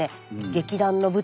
劇団の舞台